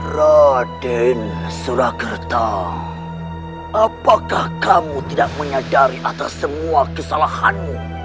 raden surakarta apakah kamu tidak menyadari atas semua kesalahanmu